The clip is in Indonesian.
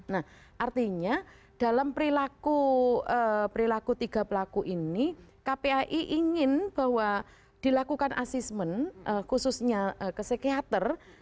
nah artinya dalam perilaku tiga pelaku ini kpai ingin bahwa dilakukan asismen khususnya ke psikiater